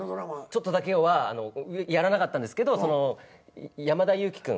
「ちょっとだけよ」はやらなかったんですけど山田裕貴君。